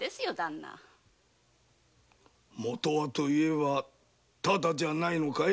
元はと言えばただじゃないのかい？